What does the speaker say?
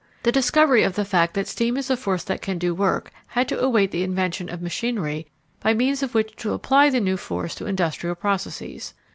The discovery of the fact that steam is a force that can do work had to await the invention of machinery by means of which to apply the new force to industrial processes.